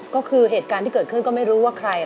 ก็คือเหตุการณ์ที่เกิดขึ้นก็ไม่รู้ว่าใคร